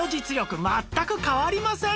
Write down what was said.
全く変わりません！